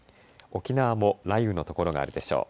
沖縄も雷雨の所があるでしょう。